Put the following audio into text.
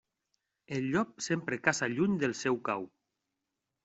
El llop sempre caça lluny del seu cau.